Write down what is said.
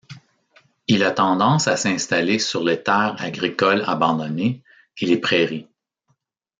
Il a tendance à s'installer sur les terres agricoles abandonnées et les prairies.